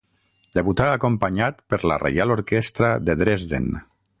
Debutà acompanyat per la Reial Orquestra de Dresden.